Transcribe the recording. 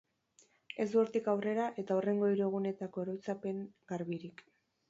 Ez du hortik aurrera eta hurrengo hiru egunetako oroitzapen garbirik.